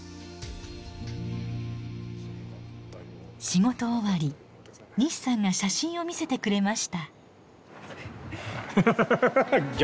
仕事終わり西さんが写真を見せてくれました。